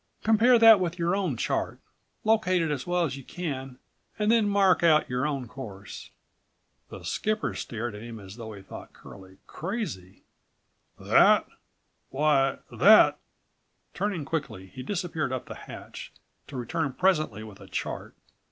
"Compare that with your own chart, locate it as well as you can and then mark out your own course." The skipper stared at him as though he thought Curlie crazy. "That! Why that—" Turning quickly, he disappeared up the hatch, to return presently with a chart.